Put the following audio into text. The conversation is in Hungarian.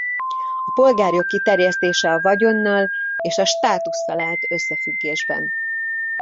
A polgárjog kiterjesztése a vagyonnal és a statussal állt összefüggésben.